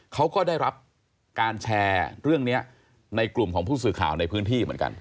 เขาก็ได้รับการแชร์เรื่องนี้ในกลุ่มของผู้สื่อข่าวในพื้นที่เหมือนกัน